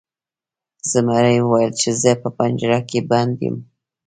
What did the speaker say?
زمري وویل چې زه په پنجره کې بند یم.